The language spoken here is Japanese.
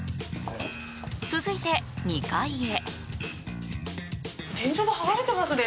続いて、２階へ。